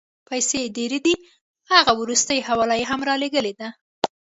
پیسې ډېرې دي، هغه وروستۍ حواله یې هم رالېږلې ده.